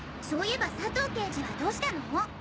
そういえば佐藤刑事はどうしたの？